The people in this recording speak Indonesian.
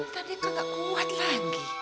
tadi kakak kuat lagi